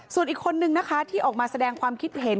ส่วนอีกคนนึงนะคะที่ออกมาแสดงความคิดเห็น